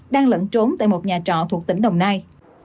đang lẫn trốn tại một nhà trọ thuộc tỉnh đồng nai